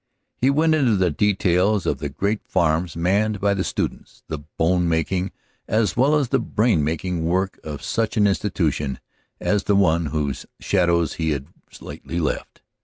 He went into the details of the great farms manned by the students, the bone making, as well as the brain making work of such an institution as the one whose shadows he had lately left.